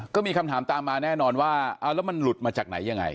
ก็มีคำถามตามมาแน่นอนว่าเอาแล้วมันหลุดมาจากไหนยังไง